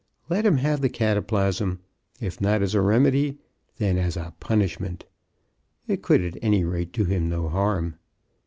Let him have the cataplasm ; if not as a remedy, then as a punishment. It could, at any rate, do him no harm.